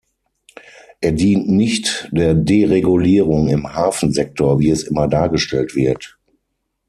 Er dient nicht der Deregulierung im Hafensektor, wie es immer dargestellt wird.